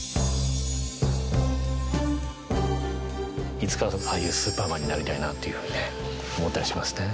いつかああいうスーパーマンになりたいなというふうにね思ったりしますね。